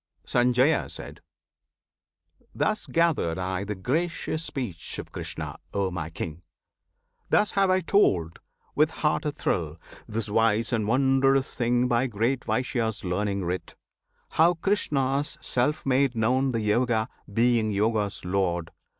Sanjaya. Thus gathered I the gracious speech of Krishna, O my King! Thus have I told, with heart a thrill, this wise and wondrous thing By great Vyasa's learning writ, how Krishna's self made known The Yoga, being Yoga's Lord.